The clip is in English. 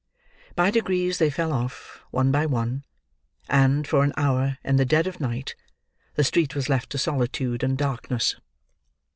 By degrees they fell off, one by one; and, for an hour, in the dead of night, the street was left to solitude and darkness.